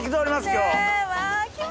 今日。